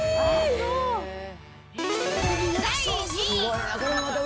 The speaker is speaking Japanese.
第２位。